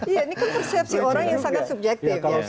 iya ini kan persepsi orang yang sangat subjektif ya